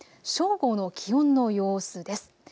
正午の気温の様子です。